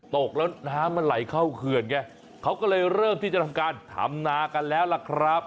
ตกแล้วน้ำมันไหลเข้าเขื่อนไงเขาก็เลยเริ่มที่จะทำการทำนากันแล้วล่ะครับ